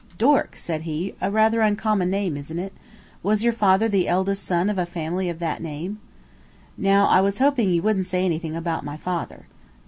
"Dork," said he; "a rather uncommon name, isn't it? Was your father the eldest son of a family of that name?" Now I was hoping he wouldn't say anything about my father.